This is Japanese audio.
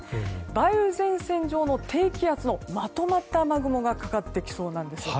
梅雨前線上の低気圧のまとまった雨雲がかかってきそうなんです。